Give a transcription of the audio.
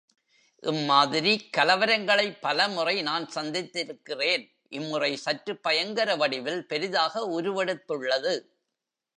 இம்மாதிரி கலவரங்களைப் பலமுறை நான் சந்தித்திருக்கிறேன் இம்முறை சற்று பயங்கர வடிவில் பெரிதாக உருவெடுத்துள்ளது.